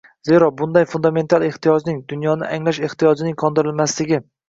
Zero, bunday fundamental ehtiyojning – dunyoni anglash ehtiyojining qondirilmasligi